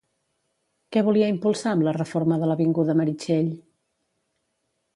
Què volia impulsar amb la reforma de l'avinguda Meritxell?